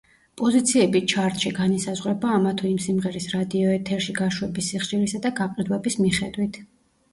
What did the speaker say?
პოზიციები ჩარტში განისაზღვრება ამა თუ იმ სიმღერის რადიოეთერში გაშვების სიხშირის და გაყიდვების მიხედვით.